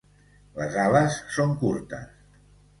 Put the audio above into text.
Les ales són curtes.